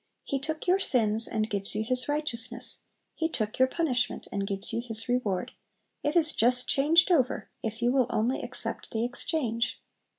He took your sins and gives you His righteousness; He took your punishment and gives you His reward; it is just changed over, if you will only accept the exchange!